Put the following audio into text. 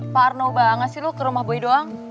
parno banget sih lo ke rumah boy doang